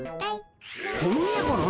この家かな？